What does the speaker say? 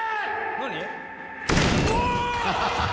何？